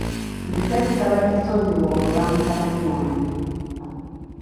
Nzize kusaba kisonyiwo ku lwa mutabani wange.